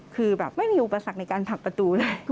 คือแบบไม่มีอุปสรรคในการผลักประตูเลย